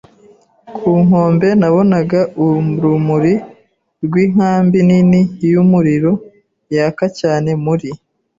Ku nkombe, nabonaga urumuri rwinkambi nini-yumuriro yaka cyane muri